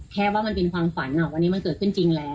ว่ามันเป็นความฝันวันนี้มันเกิดขึ้นจริงแล้ว